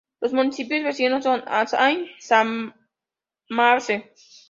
Los municipios vecinos son Saint-Damase.